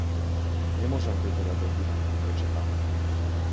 Не можам веќе да те видам, рече таа.